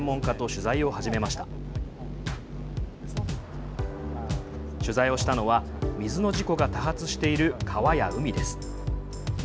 取材をしたのは水の事故が多発している川や海です。